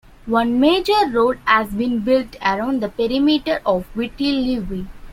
One major road has been built around the perimeter of Viti Levu.